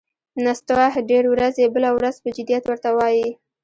نستوه ډېر ورځي، بله ورځ پهٔ جدیت ور ته وايي: